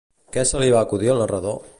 Què se li va acudir al narrador?